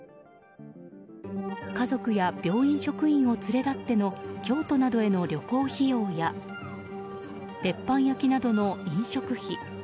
家族や病院職員を連れ立っての京都などへの旅行費用や鉄板焼きなどの飲食費